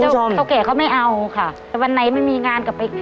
ที่เจ้าแก่เขาไม่เอาค่ะวันไหนไม่มีงานกลับไป